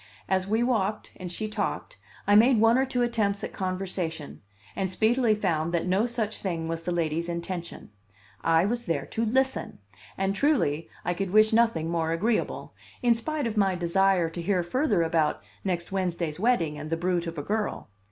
As we walked and she talked, I made one or two attempts at conversation, and speedily found that no such thing was the lady's intention: I was there to listen; and truly I could wish nothing more agreeable, in spite of my desire to hear further about next Wednesday's wedding and the brute of a girl.